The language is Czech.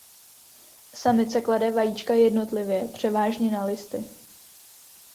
Samice klade vajíčka jednotlivě převážně na listy.